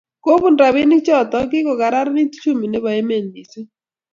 Kobun robinik choto, kikokararanit uchumi nebo emet misimg